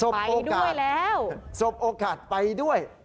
ไปด้วยแล้วสมโอกาสไปด้วย